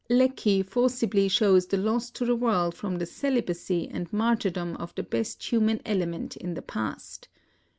Lecky forcibly shows the loss to the world from the celibacy and mar tyrdom of the best human element in the past.